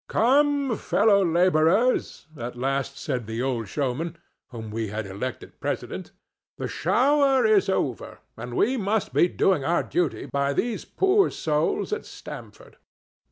"Come, fellow laborers," at last said the old showman, whom we had elected president; "the shower is over, and we must be doing our duty by these poor souls at Stamford."